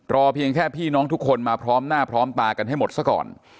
เพียงแค่พี่น้องทุกคนมาพร้อมหน้าพร้อมตากันให้หมดซะก่อน